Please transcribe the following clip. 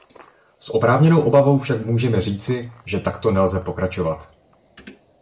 S oprávněnou obavou však můžeme říci, že takto nelze pokračovat.